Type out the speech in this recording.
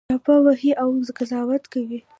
ټاپه وهي او قضاوت کوي